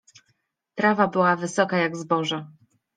Trawa była wysoka jak zboże.